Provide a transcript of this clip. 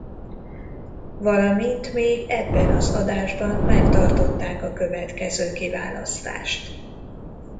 Valamint még ebben az adásban megtartották a következő kiválasztást.